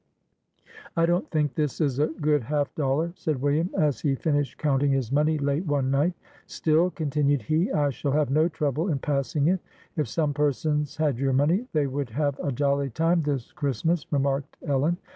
"I don 't think this is a good half dollar," said William, as he finished counting his money late one night. c ' Still, " continued he, "I shall have no trouble in passing it." ; <If some persons had your money, they would have a jolly time this Christmas," remarked Ellen.